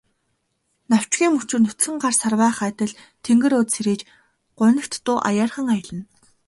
Навчгүй мөчир нүцгэн гар сарвайх адил тэнгэр өөд сэрийж, гунигт дуу аяархан аялна.